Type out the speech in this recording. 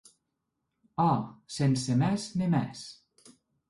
Òc, sense mès ne mès.